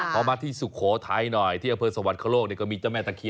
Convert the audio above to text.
พอมาที่สุโขทัยหน่อยที่อำเภอสวรรคโลกก็มีเจ้าแม่ตะเคีย